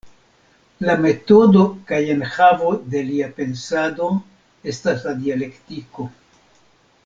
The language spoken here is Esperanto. La metodo kaj enhavo de lia pensado estas la dialektiko.